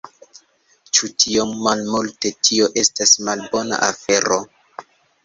Ĉu tiom malmulte... tio estas malbona afero